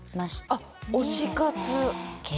あっ推し活？